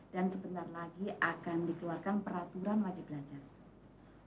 dan sebentar lagi akan dikeluarkan peraturan wajib belajar